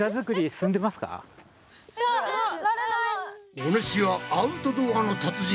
お主はアウトドアの達人